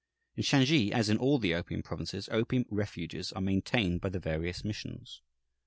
In Shansi, as in all the opium provinces, "opium refuges" are maintained by the various missions.